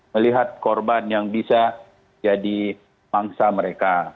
melihat korban yang bisa jadi mangsa mereka